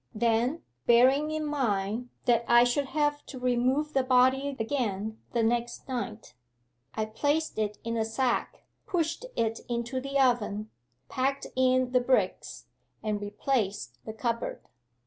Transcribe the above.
Then, bearing in mind that I should have to remove the body again the next night, I placed it in a sack, pushed it into the oven, packed in the bricks, and replaced the cupboard.